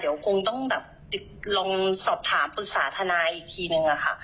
เดี๋ยวคงต้องลองสอบถามปรึกษาธนาอีกทีหนึ่ง